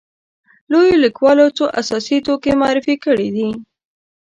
لویو لیکوالو څو اساسي توکي معرفي کړي دي.